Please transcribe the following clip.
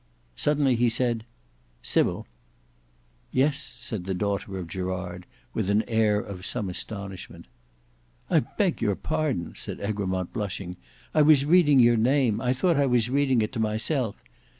Suddenly he said "Sybil." "Yes," said the daughter of Gerard, with an air of some astonishment. "I beg your pardon," said Egremont blushing; "I was reading your name. I thought I was reading it to myself.